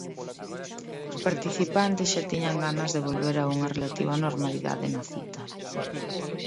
Os participantes xa tiñan ganas de volver a unha relativa normalidade na cita.